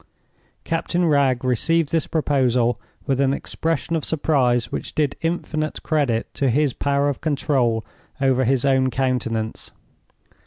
Captain Wragge received this proposal with an expression of surprise which did infinite credit to his power of control over his own countenance.